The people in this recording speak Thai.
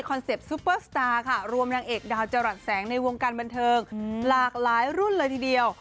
เซ็ปตซุปเปอร์สตาร์ค่ะรวมนางเอกดาวจรัสแสงในวงการบันเทิงหลากหลายรุ่นเลยทีเดียว